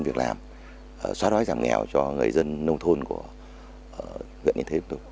việc làm xóa đói giảm nghèo cho người dân nông thôn của viện yên thế chúng tôi